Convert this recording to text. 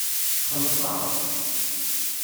Xellṣeɣ.